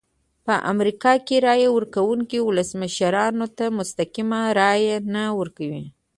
په امریکا کې رایه ورکوونکي ولسمشرانو ته مستقیمه رایه نه ورکوي.